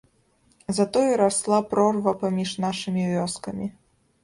Затое расла прорва паміж нашымі вёскамі.